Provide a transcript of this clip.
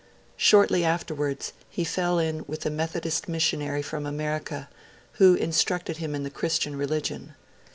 Shortly afterwards, he fell in with a Methodist missionary from America, who instructed him in the Christian religion.